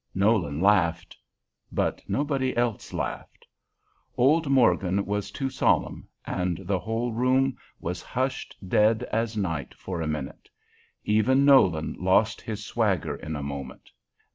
Nolan laughed. But nobody else laughed. Old Morgan was too solemn, and the whole room was hushed dead as night for a minute. Even Nolan lost his swagger in a moment.